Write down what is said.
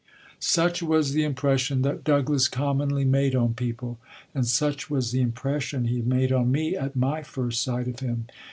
Such was the impression that Douglass commonly made on people, and such was the impression he made on me at my first sight of him.